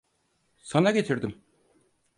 Sana getirdim.